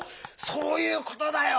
そういうことだよ！